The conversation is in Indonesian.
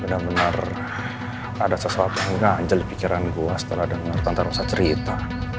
benar benar ada sesuatu yang ngajal di pikiran gue setelah dengar tante rosa cerita